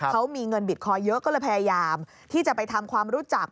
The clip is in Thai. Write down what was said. เขามีเงินบิตคอยเยอะก็เลยพยายามที่จะไปทำความรู้จัก